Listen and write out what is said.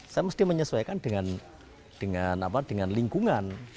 saya mesti menyesuaikan dengan lingkungan